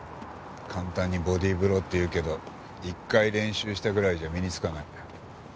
簡単にボディーブローって言うけど１回練習したぐらいじゃ身につかない。